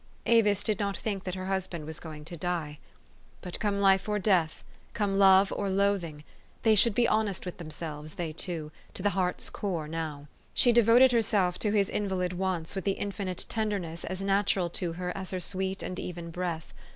Avis did not think that her husband was going to die. But come life or death, come love or loathing, 390 THE STORY OF AVIS. they should be honest with themselves, they two, to the heart's core now. She devoted herself to his invalid wants with the infinite tenderness as natural to her as her sweet and even breath.